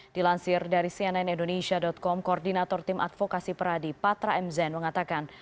dilansir dari cnn indonesia com koordinator tim advokasi peradi patra m zen mengatakan